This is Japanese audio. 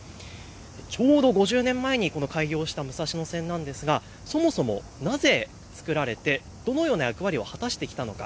ちょうど５０年前に開業した武蔵野線ですが、そもそもなぜ作られてどのような役割を果たしてきたのか。